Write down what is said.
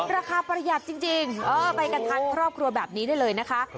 ประหยัดจริงไปกันทางครอบครัวแบบนี้ได้เลยนะคะ